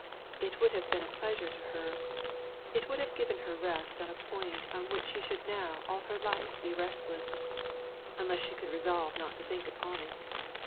It would have been a pleasure to her: would have given her rest on a point on which she should now all her life be restless, unless she could resolve not to think upon it.